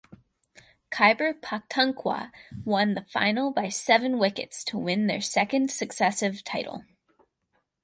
Khyber Pakhtunkhwa won the final by seven wickets to win their second successive title.